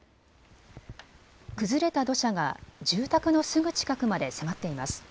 崩れた土砂が住宅のすぐ近くまで迫っています。